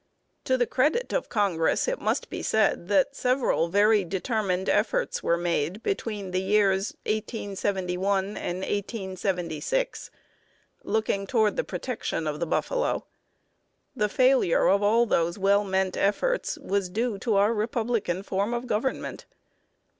To the credit of Congress it must be said that several very determined efforts were made between the years 1871 and 1876 looking toward the protection of the buffalo. The failure of all those well meant efforts was due to our republican form of Government.